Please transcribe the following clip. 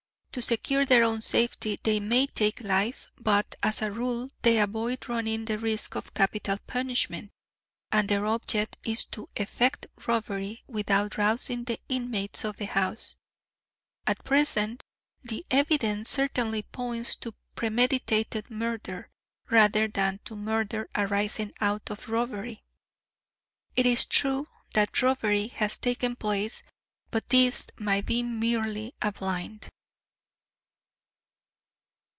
To secure their own safety they may take life, but as a rule they avoid running the risk of capital punishment, and their object is to effect robbery without rousing the inmates of the house. At present the evidence certainly points to premeditated murder rather than to murder arising out of robbery. It is true that robbery has taken place, but this might be merely a blind."